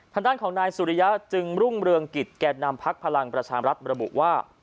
ทางด้านของนายสุริยะจึงรุ่งเรืองกิจแก่นำพักพลังประชามรัฐระบุว่า